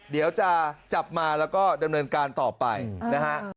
เดี๋ยวจะจับมาแล้วก็ดำเนินการต่อไปนะฮะ